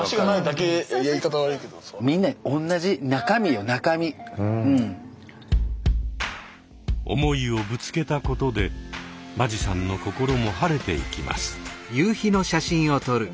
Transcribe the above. だって別に思いをぶつけたことで間地さんの心も晴れていきます。